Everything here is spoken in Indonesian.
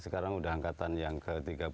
sekarang sudah angkatan yang ke tiga puluh